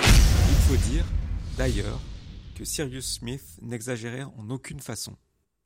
Il faut dire, d’ailleurs, que Cyrus Smith n’exagérait en aucune façon